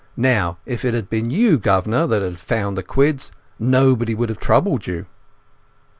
Now, if it had been you, guv'nor, that had found the quids, nobody would have troubled you."